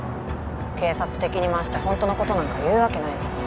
警察敵に回して本当の事なんか言うわけないじゃん。